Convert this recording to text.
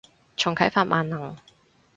重啟法萬能